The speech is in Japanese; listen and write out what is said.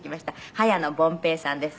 早野凡平さんです。